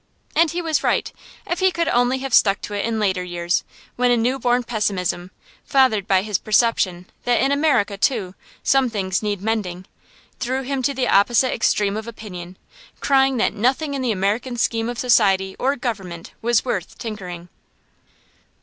And he was right, if he could only have stuck to it in later years, when a new born pessimism, fathered by his perception that in America, too, some things needed mending, threw him to the opposite extreme of opinion, crying that nothing in the American scheme of society or government was worth tinkering.